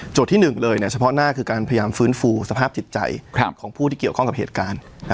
ที่๑เลยเฉพาะหน้าคือการพยายามฟื้นฟูสภาพจิตใจของผู้ที่เกี่ยวข้องกับเหตุการณ์